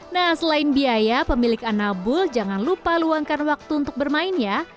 nah selain biaya pemilik anabul jangan lupa luangkan waktu untuk bermain ya